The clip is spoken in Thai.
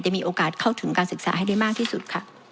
จะมีโอกาสเข้าถึงการศึกษาให้ได้สุด